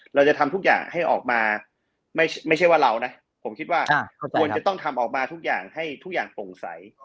เราจะทำทุกอย่างให้ออกมาไม่ใช่ว่าเรานะผมคิดว่าควรจะต้องทำออกมาทุกอย่างให้ทุกอย่างโปร่งใส